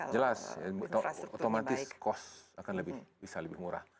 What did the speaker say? jelas otomatis cost akan bisa lebih murah